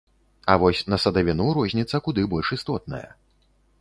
А вось на садавіну розніца куды больш істотная.